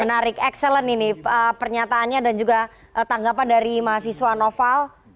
menarik excellent ini pernyataannya dan juga tanggapan dari mahasiswa noval